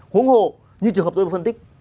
húng hồ như trường hợp tôi phân tích